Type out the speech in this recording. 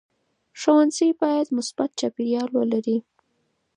ښوونځی باید مثبت چاپېریال ولري.